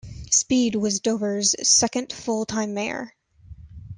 Speed was Dover's second full-time mayor.